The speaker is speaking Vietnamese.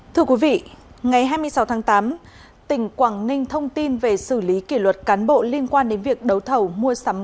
thưa quý vị ngày hai mươi sáu tháng tám tỉnh quảng ninh thông tin về xử lý kỷ luật cán bộ liên quan đến việc đấu thầu mua sắm